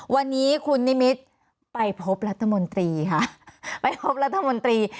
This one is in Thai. วันนี้คุณนิมิตรไปพบรัฐมนตรีค่ะไปพบรัฐมนตรี